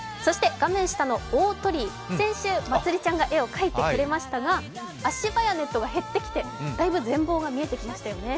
画面下の大鳥居、先週、まつりちゃんが絵を描いてくれましたが、足場やネットが減ってきてだいぶ、全貌が見えてきましたよね